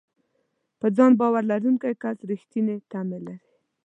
په ځان باور لرونکی کس رېښتینې تمې لري.